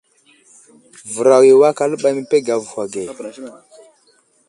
Vəraw i awak aləɓay məpege avohw age.